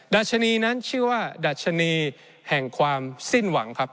ดัชนีนั้นชื่อว่าดัชนีแห่งความสิ้นหวังครับ